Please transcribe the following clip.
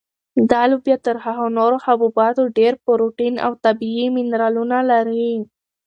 دا لوبیا تر هغو نورو حبوباتو ډېر پروټین او طبیعي منرالونه لري.